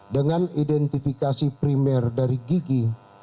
dengan identifikasi primer dari gigi